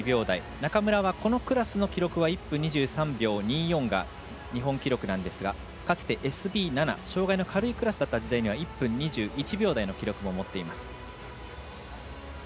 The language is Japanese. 中村はこのクラスの記録は１分２３秒２４が日本記録なんですが、かつてＳＢ７障がいの軽いクラスだったときには１分２１秒台の記録も持っています。